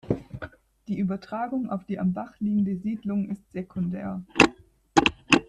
Die Übertragung auf die am Bach liegende Siedlung ist sekundär.